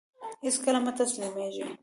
هيڅکله مه تسلميږه !